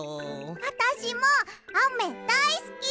あたしもあめだいすき！